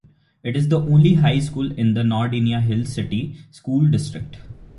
It is the only high school in the Nordonia Hills City School District.